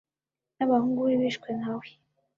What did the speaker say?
nabahungu be bishwe nkawe.